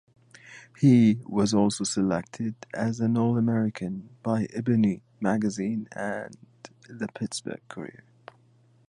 He was also selected as an All-American by "Ebony" magazine and the "Pittsburgh Courier".